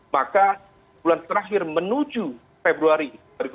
maka bulan terakhir menuju februari dua ribu dua puluh